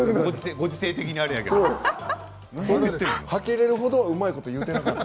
ご時世的にあれだけど。はけれる程うまくいってなかった。